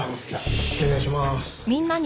じゃあお願いします。